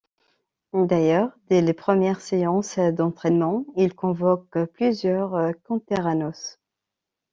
D'ailleurs dès les premières séances d'entrainement il convoque plusieurs canteranos.